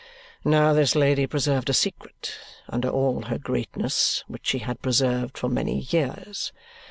Now this lady preserved a secret under all her greatness, which she had preserved for many years.